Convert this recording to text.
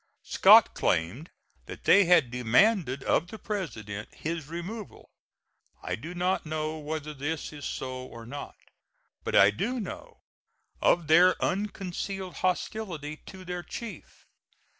Scott claimed that they had demanded of the President his removal. I do not know whether this is so or not, but I do know of their unconcealed hostility to their chief.